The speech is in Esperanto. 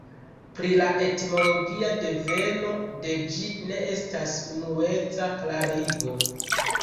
Pri la etimologia deveno de ĝi ne estas unueca klarigo.